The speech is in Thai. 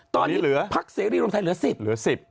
ตอนนี้พักเสรีรวมไทยเหลือ๑๐